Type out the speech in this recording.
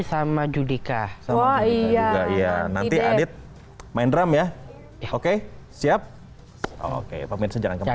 sama judika sama judika juga iya nanti adit main drum ya oke siap oke pemirsa jangan kemana